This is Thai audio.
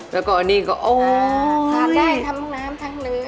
แล้วก็อันนี้ก็อ๋อผัดได้ครับมุ้งน้ำทั้งเนื้อ